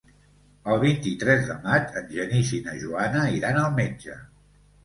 El vint-i-tres de maig en Genís i na Joana iran al metge.